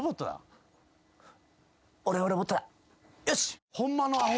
よし！